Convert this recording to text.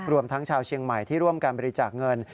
รวมทั้งชาวเชียงใหม่ที่ร่วมการบริจาคเงิน